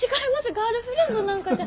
ガールフレンドなんかじゃ。